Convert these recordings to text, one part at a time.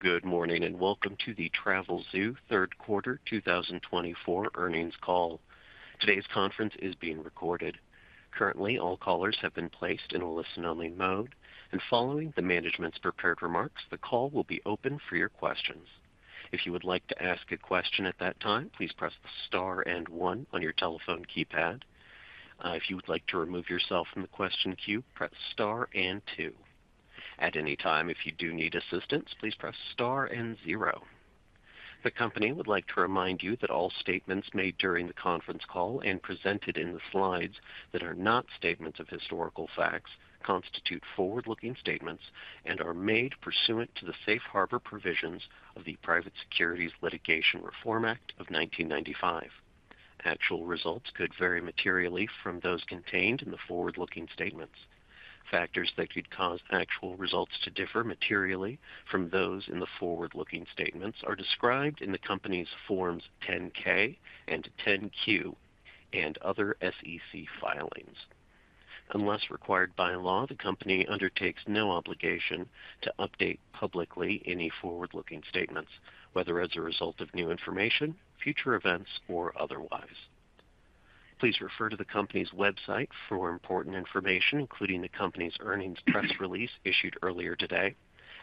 Good morning, and welcome to the Travelzoo third quarter two thousand and twenty-four earnings call. Today's conference is being recorded. Currently, all callers have been placed in a listen-only mode, and following the management's prepared remarks, the call will be open for your questions. If you would like to ask a question at that time, please press star and one on your telephone keypad. If you would like to remove yourself from the question queue, press star and two. At any time, if you do need assistance, please press star and zero. The company would like to remind you that all statements made during the conference call and presented in the slides that are not statements of historical facts, constitute forward-looking statements and are made pursuant to the Safe Harbor Provisions of the Private Securities Litigation Reform Act of nineteen ninety-five. Actual results could vary materially from those contained in the forward-looking statements. Factors that could cause actual results to differ materially from those in the forward-looking statements are described in the company's Forms 10-K and 10-Q and other SEC filings. Unless required by law, the company undertakes no obligation to update publicly any forward-looking statements, whether as a result of new information, future events, or otherwise. Please refer to the company's website for important information, including the company's earnings press release issued earlier today.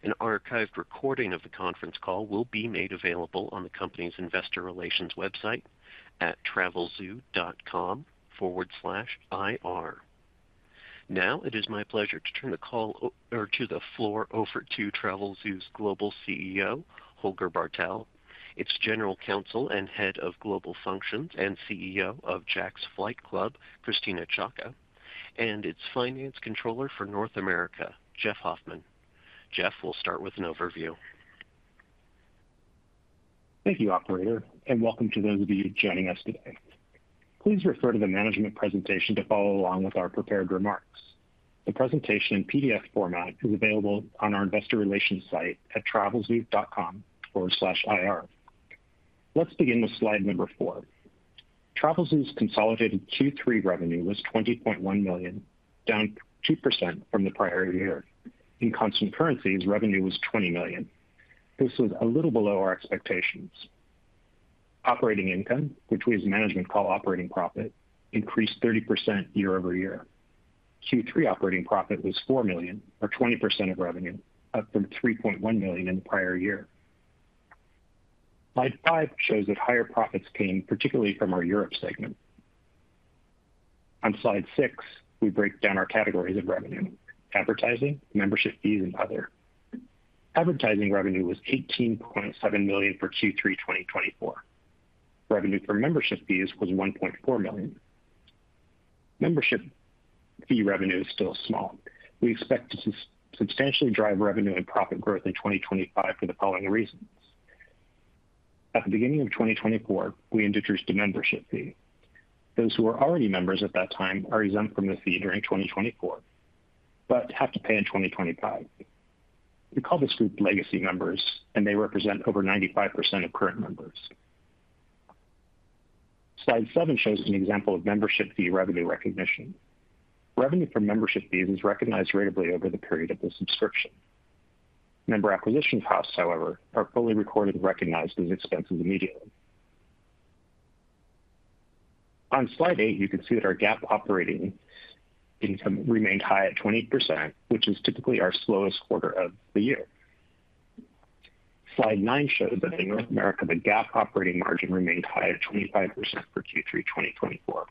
An archived recording of the conference call will be made available on the company's investor relations website at travelzoo.com/ir. Now, it is my pleasure to turn the call over to Travelzoo's Global CEO, Holger Bartel, its General Counsel and Head of Global Functions and CEO of Jack's Flight Club, Christina Ciocca, and its Finance Controller for North America, Jeff Hoffman. Jeff, we'll start with an overview. Thank you, operator, and welcome to those of you joining us today. Please refer to the management presentation to follow along with our prepared remarks. The presentation in PDF format is available on our investor relations site at travelzoo.com/ir. Let's begin with slide number 4. Travelzoo's consolidated Q3 revenue was $20.1 million, down 2% from the prior year. In constant currencies, revenue was $20 million. This was a little below our expectations. Operating income, which we as management call operating profit, increased 30% year over year. Q3 operating profit was $4 million or 20% of revenue, up from $3.1 million in the prior year. Slide 5 shows that higher profits came particularly from our Europe segment. On slide 6, we break down our categories of revenue, advertising, membership fees, and other. Advertising revenue was $18.7 million for Q3 2024. Revenue for membership fees was $1.4 million. Membership fee revenue is still small. We expect to substantially drive revenue and profit growth in 2025 for the following reasons. At the beginning of 2024, we introduced a membership fee. Those who were already members at that time are exempt from the fee during 2024, but have to pay in 2025. We call this group legacy members, and they represent over 95% of current members. Slide seven shows an example of membership fee revenue recognition. Revenue from membership fees is recognized ratably over the period of the subscription. Member acquisition costs, however, are fully recorded and recognized as expenses immediately. On slide eight, you can see that our GAAP operating income remained high at 20%, which is typically our slowest quarter of the year. Slide 9 shows that in North America, the GAAP operating margin remained high at 25% for Q3 2024.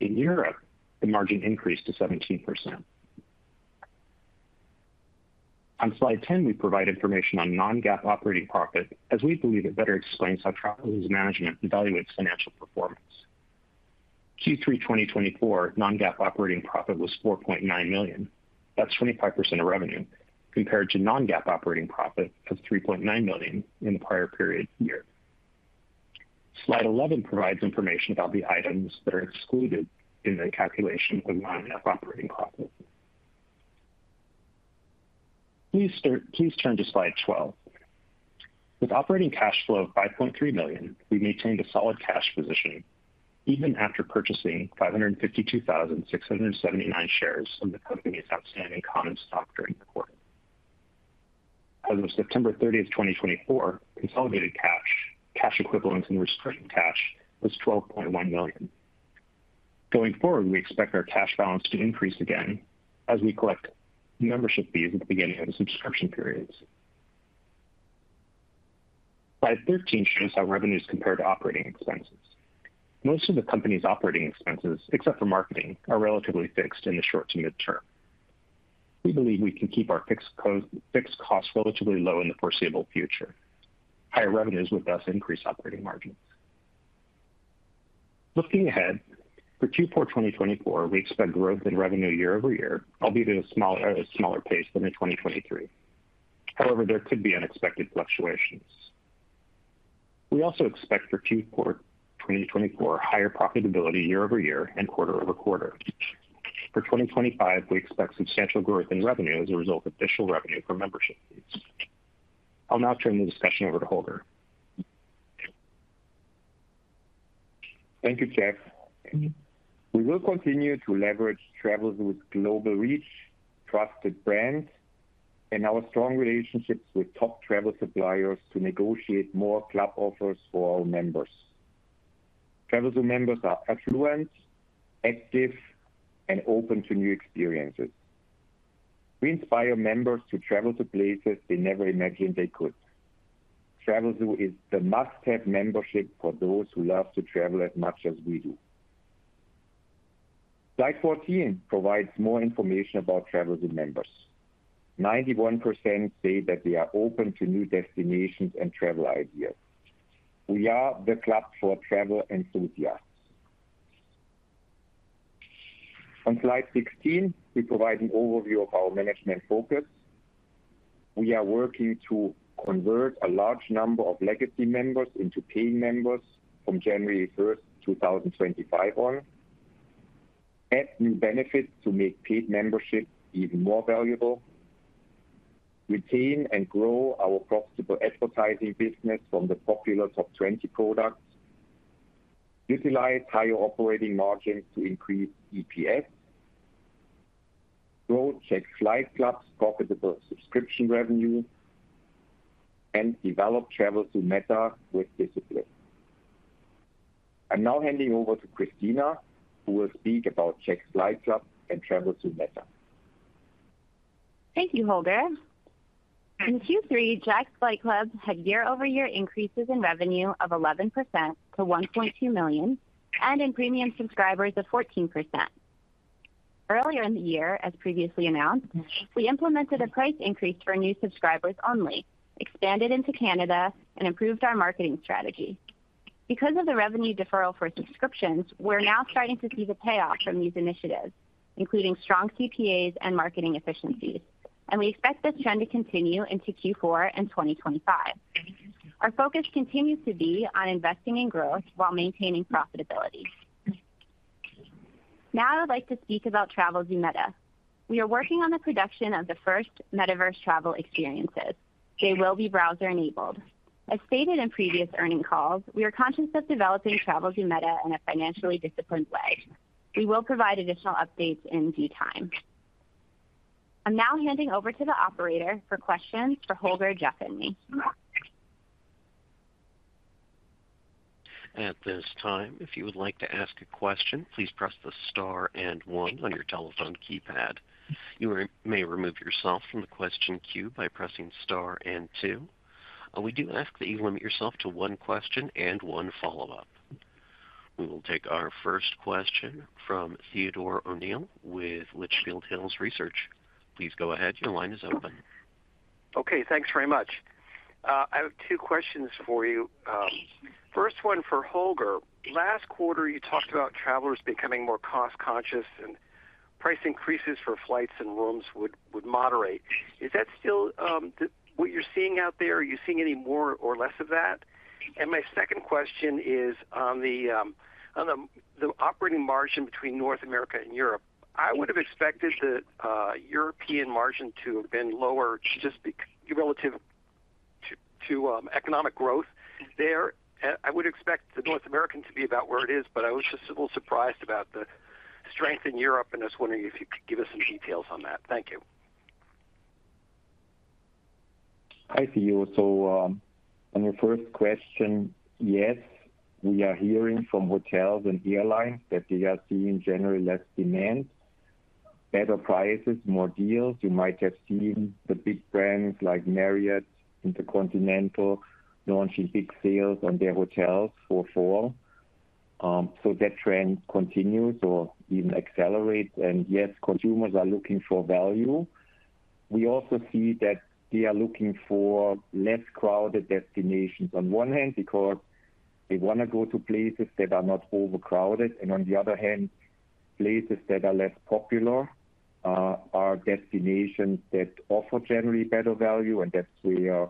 In Europe, the margin increased to 17%. On slide 10, we provide information on non-GAAP operating profit, as we believe it better explains how Travelzoo's management evaluates financial performance. Q3 2024 non-GAAP operating profit was $4.9 million. That's 25% of revenue, compared to non-GAAP operating profit of $3.9 million in the prior period year. Slide 11 provides information about the items that are excluded in the calculation of non-GAAP operating profit. Please turn to slide 12. With operating cash flow of $5.3 million, we maintained a solid cash position even after purchasing 552,679 shares of the company's outstanding common stock during the quarter. As of September thirtieth, 2024, consolidated cash, cash equivalents and restricted cash was $12.1 million. Going forward, we expect our cash balance to increase again as we collect membership fees at the beginning of the subscription periods. Slide 13 shows how revenues compare to operating expenses. Most of the company's operating expenses, except for marketing, are relatively fixed in the short to mid-term. We believe we can keep our fixed costs relatively low in the foreseeable future. Higher revenues would thus increase operating margins. Looking ahead, for Q4 2024, we expect growth in revenue year over year, albeit at a smaller pace than in 2023. However, there could be unexpected fluctuations. We also expect for Q4 2024, higher profitability year over year and quarter over quarter. For 2025, we expect substantial growth in revenue as a result of additional revenue from membership fees. I'll now turn the discussion over to Holger.... Thank you, Jeff. We will continue to leverage Travelzoo's global reach, trusted brands, and our strong relationships with top travel suppliers to negotiate more club offers for our members. Travelzoo members are affluent, active, and open to new experiences. We inspire members to travel to places they never imagined they could. Travelzoo is the must-have membership for those who love to travel as much as we do. Slide fourteen provides more information about Travelzoo members. 91% say that they are open to new destinations and travel ideas. We are the club for travel enthusiasts. On Slide sixteen, we provide an overview of our management focus. We are working to convert a large number of legacy members into paying members from January first, two thousand and twenty-five on, add new benefits to make paid membership even more valuable, retain and grow our profitable advertising business from the popular Top 20 products, utilize higher operating margins to increase EPS, grow Jack's Flight Club's profitable subscription revenue, and develop Travelzoo Meta with discipline. I'm now handing over to Christina, who will speak about Jack's Flight Club and Travelzoo Meta. Thank you, Holger. In Q3, Jack's Flight Club had year-over-year increases in revenue of 11% to $1.2 million, and in premium subscribers of 14%. Earlier in the year, as previously announced, we implemented a price increase for new subscribers only, expanded into Canada, and improved our marketing strategy. Because of the revenue deferral for subscriptions, we're now starting to see the payoff from these initiatives, including strong CPAs and marketing efficiencies, and we expect this trend to continue into Q4 and 2025. Our focus continues to be on investing in growth while maintaining profitability. Now, I'd like to speak about Travelzoo Meta. We are working on the production of the first metaverse travel experiences. They will be browser-enabled. As stated in previous earnings calls, we are conscious of developing Travelzoo Meta in a financially disciplined way. We will provide additional updates in due time. I'm now handing over to the operator for questions for Holger, Jeff, and me. At this time, if you would like to ask a question, please press the star and one on your telephone keypad. You may remove yourself from the question queue by pressing star and two. We do ask that you limit yourself to one question and one follow-up. We will take our first question from Theodore O'Neill with Litchfield Hills Research. Please go ahead. Your line is open. Okay, thanks very much. I have two questions for you. First one for Holger. Last quarter, you talked about travelers becoming more cost-conscious and price increases for flights and rooms would moderate. Is that still what you're seeing out there? Are you seeing any more or less of that? And my second question is on the operating margin between North America and Europe. I would have expected the European margin to have been lower, just relative to economic growth there. I would expect the North American to be about where it is, but I was just a little surprised about the strength in Europe, and I was wondering if you could give us some details on that. Thank you. Hi, Theo. So, on your first question, yes, we are hearing from hotels and airlines that they are seeing generally less demand, better prices, more deals. You might have seen the big brands like Marriott, InterContinental, launching big sales on their hotels for fall, so that trend continues or even accelerates. And yes, consumers are looking for value. We also see that they are looking for less crowded destinations. On one hand, because they want to go to places that are not overcrowded, and on the other hand, places that are less popular are destinations that offer generally better value. And that's where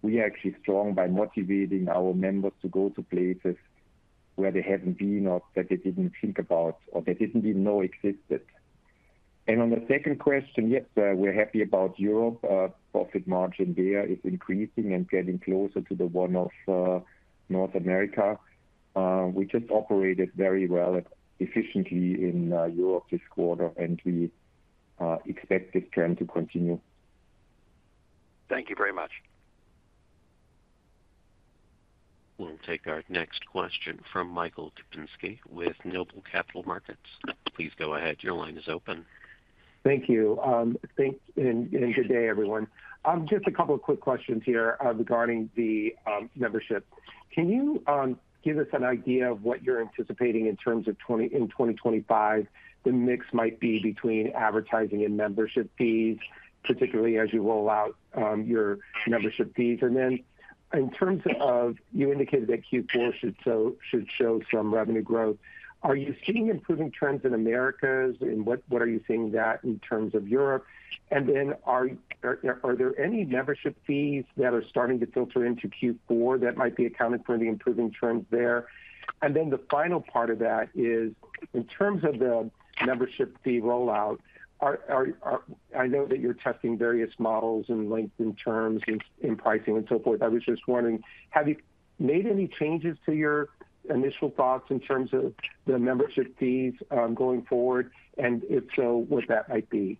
we are actually strong by motivating our members to go to places where they haven't been or that they didn't think about or they didn't even know existed. And on the second question, yes, we're happy about Europe. Our profit margin there is increasing and getting closer to the one of North America. We just operated very well and efficiently in Europe this quarter, and we expect this trend to continue. Thank you very much. We'll take our next question from Michael Kupinski with Noble Capital Markets. Please go ahead. Your line is open. Thank you, and good day, everyone. Just a couple of quick questions here, regarding the membership. Can you give us an idea of what you're anticipating in terms of 2025, the mix might be between advertising and membership fees, particularly as you roll out your membership fees? And then, in terms of... You indicated that Q4 should show some revenue growth. Are you seeing improving trends in Americas, and what are you seeing that in terms of Europe? And then are there any membership fees that are starting to filter into Q4 that might be accounting for the improving trends there? And then the final part of that is, in terms of the membership fee rollout, I know that you're testing various models and lengths and terms in pricing and so forth. I was just wondering, have you made any changes to your initial thoughts in terms of the membership fees, going forward, and if so, what that might be? ...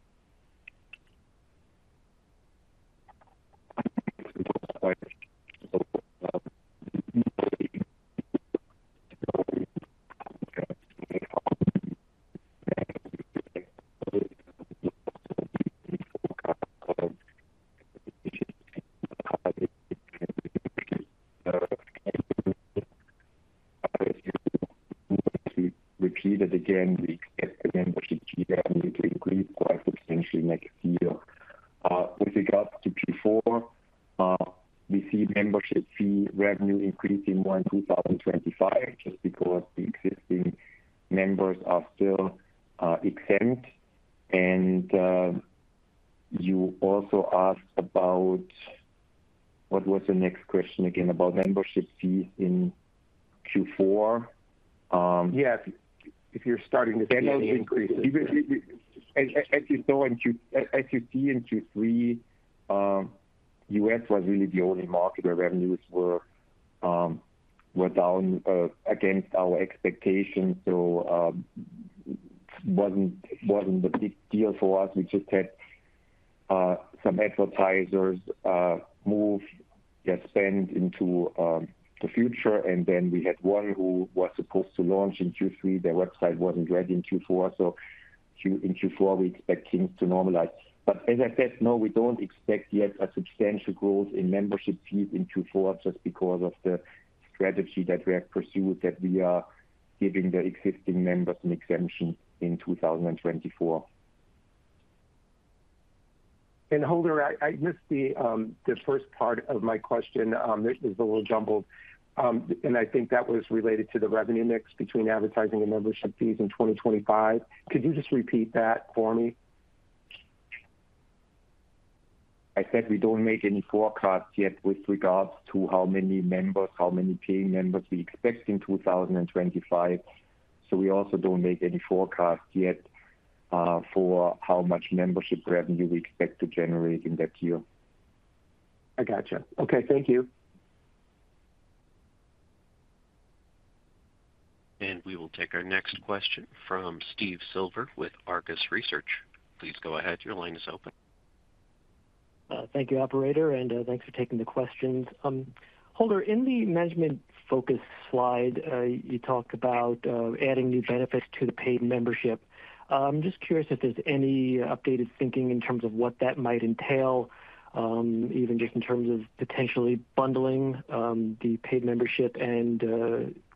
To repeat it again, we get the membership fee revenue to increase quite substantially next year. With regards to Q4, we see membership fee revenue increasing more in 2025, just because the existing members are still exempt. And you also asked about... What was the next question again? About membership fees in Q4? Yeah. If you're starting to see an increase. As you see in Q3, US was really the only market where revenues were down against our expectations. So, wasn't a big deal for us. We just had some advertisers move their spend into the future, and then we had one who was supposed to launch in Q3. Their website wasn't ready in Q4, so in Q4 we expect things to normalize. But as I said, no, we don't expect yet a substantial growth in membership fees in Q4, just because of the strategy that we have pursued, that we are giving the existing members an exemption in 2024. Holger, I missed the first part of my question. It was a little jumbled. I think that was related to the revenue mix between advertising and membership fees in 2025. Could you just repeat that for me? I said, we don't make any forecasts yet with regards to how many members, how many paying members we expect in 2025, so we also don't make any forecasts yet for how much membership revenue we expect to generate in that year. I gotcha. Okay, thank you. We will take our next question from Steve Silver with Argus Research. Please go ahead. Your line is open. Thank you, operator, and thanks for taking the questions. Holger, in the management focus slide, you talked about adding new benefits to the paid membership. I'm just curious if there's any updated thinking in terms of what that might entail, even just in terms of potentially bundling the paid membership and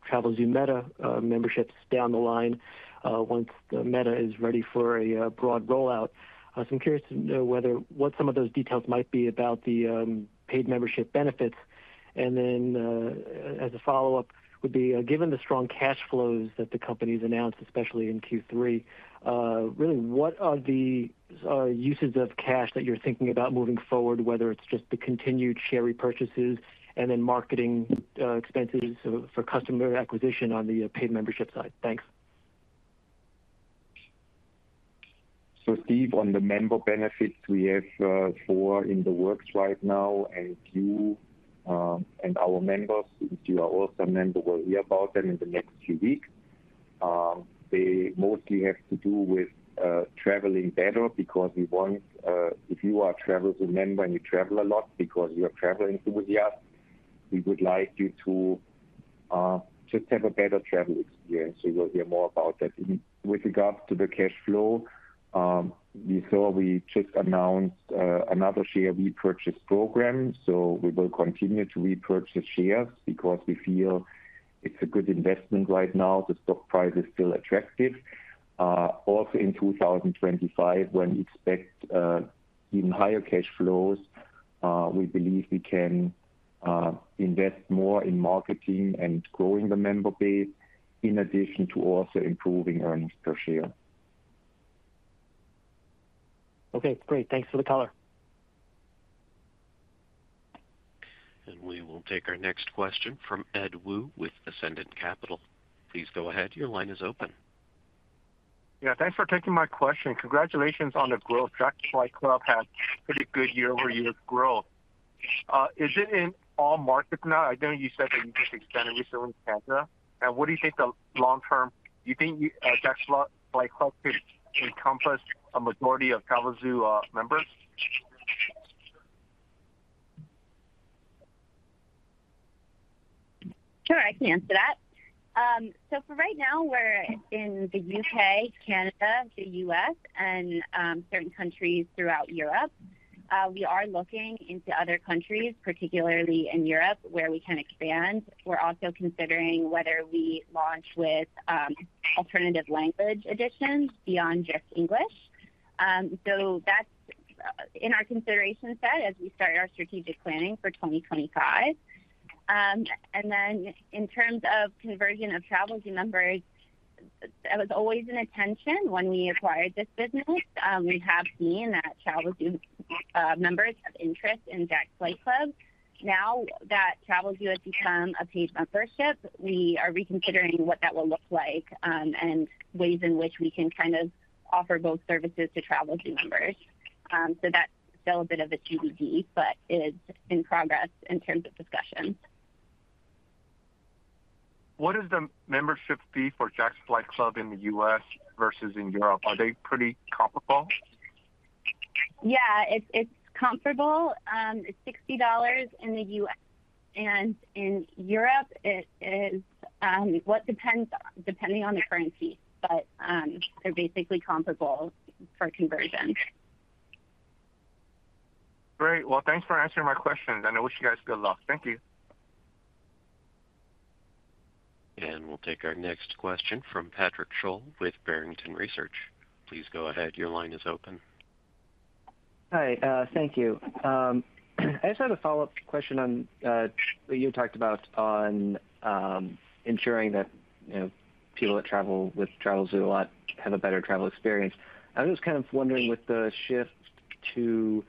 Travelzoo Meta memberships down the line, once the Meta is ready for a broad rollout. I'm curious to know what some of those details might be about the paid membership benefits. And then, as a follow-up, would be, given the strong cash flows that the company's announced, especially in Q3, really, what are the uses of cash that you're thinking about moving forward, whether it's just the continued share repurchases and then marketing expenses for customer acquisition on the paid membership side? Thanks. So Steve, on the member benefits, we have four in the works right now, and you, and our members, if you are also a member, will hear about them in the next few weeks. They mostly have to do with traveling better, because we want, if you are a Travelzoo member, and you travel a lot because you are traveling enthusiast, we would like you to just have a better travel experience. So you'll hear more about that. With regards to the cash flow, you saw we just announced another share repurchase program, so we will continue to repurchase shares because we feel it's a good investment right now. The stock price is still attractive. Also in 2025, when we expect even higher cash flows, we believe we can invest more in marketing and growing the member base, in addition to also improving earnings per share. Okay, great. Thanks for the color. We will take our next question from Ed Woo with Ascendiant Capital. Please go ahead. Your line is open. Yeah, thanks for taking my question. Congratulations on the growth. Jack's Flight Club had pretty good year-over-year growth. Is it in all markets now? I know you said that you just expanded recently in Canada. And what do you think? Do you think Jack's Flight Club could encompass a majority of Travelzoo members? Sure, I can answer that. So for right now, we're in the U.K., Canada, the U.S., and certain countries throughout Europe. We are looking into other countries, particularly in Europe, where we can expand. We're also considering whether we launch with alternative language editions beyond just English. So that's in our consideration set as we start our strategic planning for 2025, and then in terms of conversion of Travelzoo members, that was always an intention when we acquired this business. We have seen that Travelzoo members have interest in Jack's Flight Club. Now that Travelzoo has become a paid membership, we are reconsidering what that will look like and ways in which we can kind of offer both services to Travelzoo members. So that's still a bit of a TBD, but it is in progress in terms of discussions. What is the membership fee for Jack's Flight Club in the U.S. versus in Europe? Are they pretty comparable? ...Yeah, it's comparable. It's $60 in the U.S., and in Europe it is, well, depends, depending on the currency, but, they're basically comparable for conversion. Great. Well, thanks for answering my questions, and I wish you guys good luck. Thank you. We'll take our next question from Patrick Sholl with Barrington Research. Please go ahead. Your line is open. Hi, thank you. I just had a follow-up question on you talked about ensuring that, you know, people that travel with Travelzoo a lot have a better travel experience. I'm just kind of wondering, with the shift to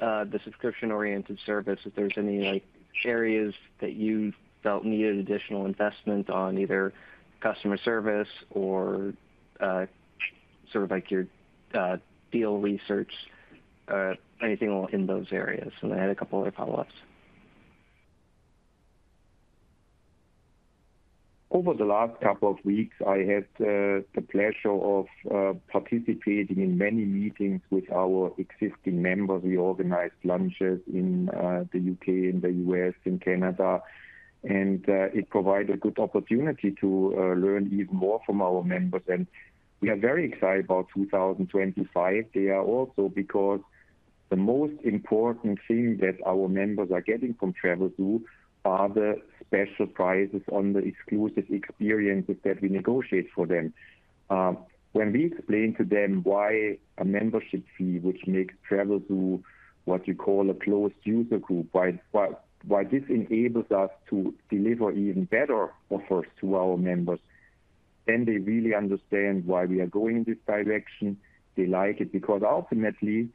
the subscription-oriented service, if there's any, like, areas that you felt needed additional investment on either customer service or sort of like your deal research, anything in those areas? and I had a couple other follow-ups. Over the last couple of weeks, I had the pleasure of participating in many meetings with our existing members. We organized lunches in the UK, in the US, in Canada, and it provided a good opportunity to learn even more from our members. And we are very excited about two thousand and twenty-five. They are also because the most important thing that our members are getting from Travelzoo are the special prices on the exclusive experiences that we negotiate for them. When we explain to them why a membership fee, which makes Travelzoo what you call a closed user group, why this enables us to deliver even better offers to our members, then they really understand why we are going in this direction. They like it because ultimately,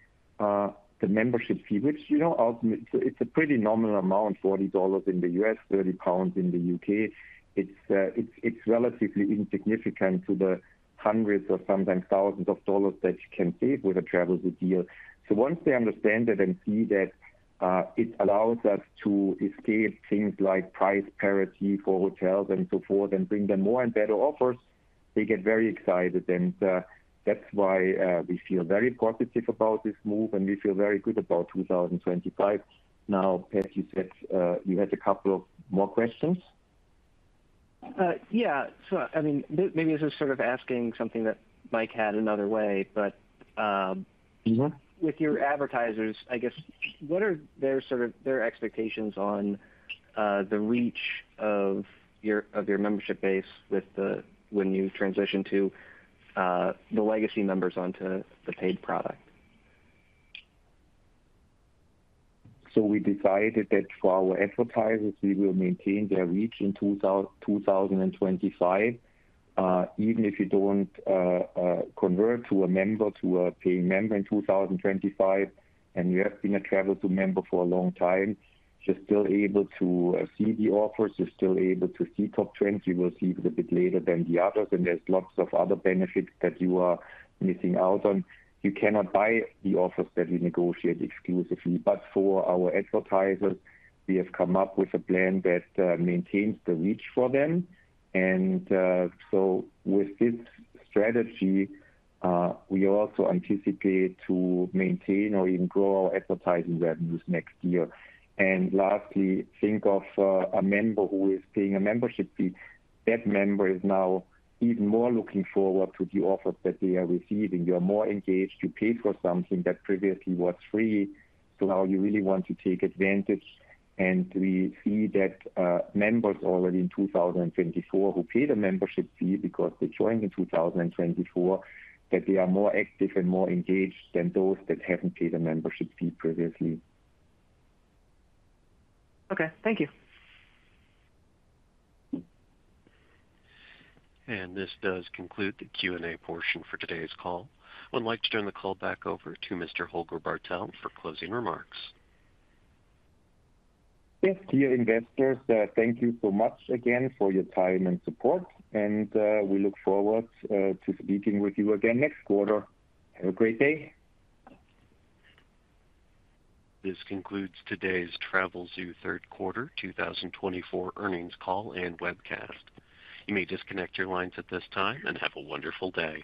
the membership fee, which, you know, it's a pretty nominal amount, $40 in the U.S., 30 pounds in the U.K. It's relatively insignificant to the hundreds or sometimes thousands of dollars that you can save with a Travelzoo deal. So once they understand it and see that it allows us to escape things like price parity for hotels and so forth and bring them more and better offers, they get very excited. That's why we feel very positive about this move, and we feel very good about 2025. Now, Pat, you said you had a couple of more questions? Yeah. So, I mean, maybe this is sort of asking something that Mike had another way, but, Mm-hmm. With your advertisers, I guess, what are their sort of, their expectations on, the reach of your, of your membership base with the-- when you transition to, the legacy members onto the paid product? So we decided that for our advertisers, we will maintain their reach in two thousand and twenty-five. Even if you don't convert to a member, to a paying member in two thousand and twenty-five, and you have been a Travelzoo member for a long time, you're still able to see the offers. You're still able to see top trends. You will see it a bit later than the others, and there's lots of other benefits that you are missing out on. You cannot buy the offers that we negotiate exclusively, but for our advertisers, we have come up with a plan that maintains the reach for them. And so with this strategy, we also anticipate to maintain or even grow our advertising revenues next year. And lastly, think of a member who is paying a membership fee. That member is now even more looking forward to the offers that they are receiving. They are more engaged to pay for something that previously was free, so now you really want to take advantage, and we see that members already in 2024 who paid a membership fee because they joined in 2024, that they are more active and more engaged than those that haven't paid a membership fee previously. Okay. Thank you. And this does conclude the Q&A portion for today's call. I would like to turn the call back over to Mr. Holger Bartel for closing remarks. Yes, dear investors, thank you so much again for your time and support, and we look forward to speaking with you again next quarter. Have a great day. This concludes today's Travelzoo third quarter 2024 earnings call and webcast. You may disconnect your lines at this time, and have a wonderful day.